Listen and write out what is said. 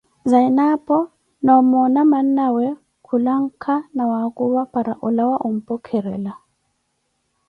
Zanapo na omoona mannawe khulanka nawakhuva para olawa ompwekherela.